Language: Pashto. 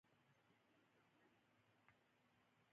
نږدې دوه اوونۍ وړاندې له خپلې کورنۍ سره یو ځای